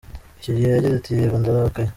Icyo gihe yagize ati "Yego, Ndarakaye.